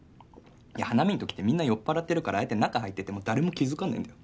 花見の時ってみんな酔っ払ってるからああやって中入ってても誰も気づかないんだよ。